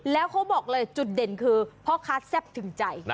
แล้วเขาบอกเลยจุดเด่นคือพ่อค้าแซ่บถึงใจ